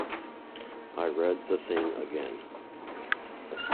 I read the thing again.